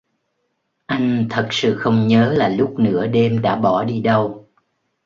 Anh thật sự không nhớ là lúc nửa đêm đã bỏ đi đâu